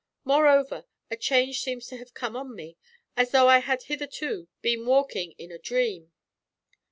Moreover, a change seems to have come on me, as though I had hitherto been walking in a dream."